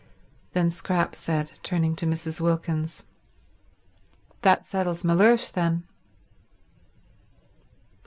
Then Scrap said, turning to Mrs. Wilkins, "That settles Mellersh, then."